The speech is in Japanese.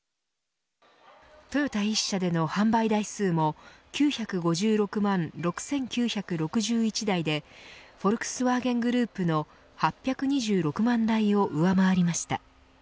トヨタ１社での販売台数も９５６万６９６１台でフォルクスワーゲングループの８２６万台を上回りました。